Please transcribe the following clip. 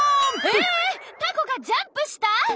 えっタコがジャンプした！？